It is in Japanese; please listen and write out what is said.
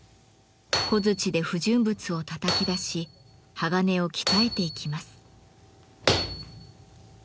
小づちで不純物をたたき出し鋼を鍛えていきます。